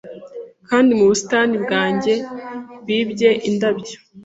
Kandi mu busitani bwanjye bibye indabyo